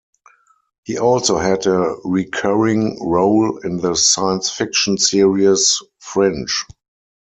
He also had a recurring role in the science fiction series "Fringe".